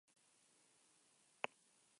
Joko estiloaz ari zela erantsi du eibartarrak.